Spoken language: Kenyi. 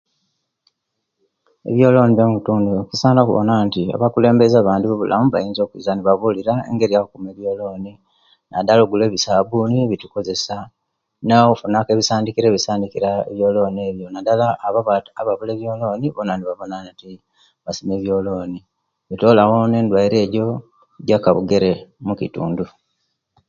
Ebyolooni mukitundu kisana okuwona nti abakulembeze abandi abobulamu bayinza okwiiza nebabuulira engeri y'akuuma ebyolooni, naddala o'kugula ebisabuuni ebitukozesa, n'nokufuna ebissandikiro ebissandikira ebyolooni ebyo naddala abo abawula ebyolooni boona nibawona nti basime ebyolooni bitolawo n'endwaire ejo ejakabugere ejakabugere omukitundu.